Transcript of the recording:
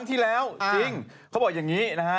ที่แล้วจริงเขาบอกอย่างนี้นะฮะ